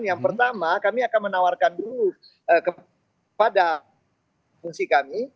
yang pertama kami akan menawarkan dulu kepada fungsi kami